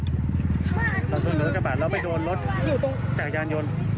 ชนกับรถกระบาดแล้วไปโดนรถจักรยานยนต์